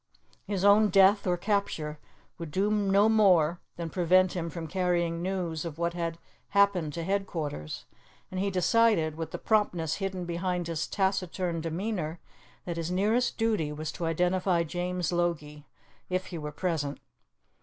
His own death or capture would do no more than prevent him from carrying news of what had happened to headquarters, and he decided, with the promptness hidden behind his taciturn demeanour, that his nearest duty was to identify James Logie, if he were present.